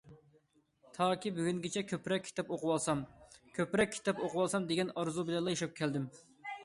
تاكى بۈگۈنگىچە كۆپرەك كىتاب ئوقۇۋالسام، كۆپرەك كىتاب ئوقۇۋالسام دېگەن ئارزۇ بىلەنلا ياشاپ كەلدىم.